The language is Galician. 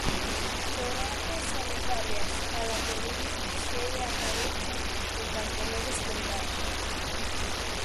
Por áreas sanitarias a da Coruña segue á cabeza en canto a novos contaxios.